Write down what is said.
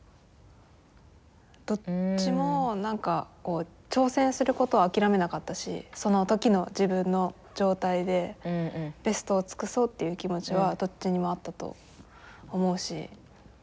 どっちも挑戦することを諦めなかったしその時の自分の状態でベストを尽くそうっていう気持ちはどっちにもあったと思うし。